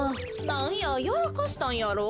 なんややらかしたんやろ。